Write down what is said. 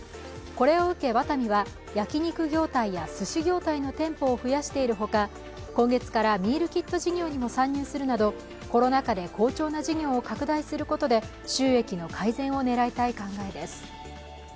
これを受けワタミは焼き肉業態やすし業態の店舗を増やしているほか今月からミールキット事業にも参入するなど、コロナ禍で好調な事業を拡大することで収益の改善を狙いたい考えです。